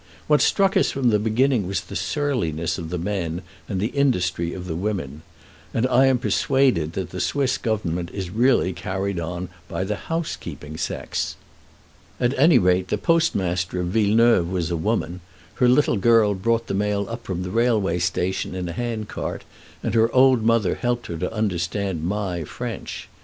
What struck us from the beginning was the surliness of the men and the industry of the women; and I am persuaded that the Swiss Government is really carried on by the house keeping sex. At any rate, the postmaster of Villeneuve was a woman; her little girl brought the mail up from the railway station in a hand cart, and her old mother helped her to understand my French.